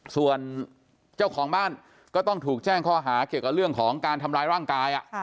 ส่วนเจ้าของบ้านก็ต้องถูกแจ้งข้อหาเกี่ยวกับเรื่องของการทำร้ายร่างกาย